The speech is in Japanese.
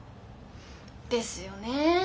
ですよねえ。